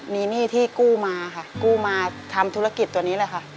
มีหนี้ที่กู้มาค่ะกู้มาทำธุรกิจตัวนี้แหละค่ะ